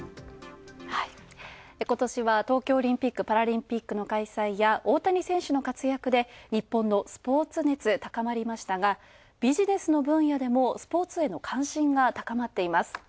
今年は、東京オリンピックパラリンピックの開催や大谷選手によって日本のスポーツ熱は高まりましたがビジネスの分野でも、スポーツへの関心が高まっています。